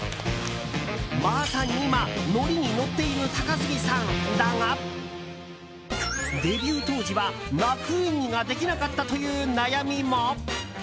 まさに今、ノリにノっている高杉さんだがデビュー当時は泣く演技ができなかったという悩みも？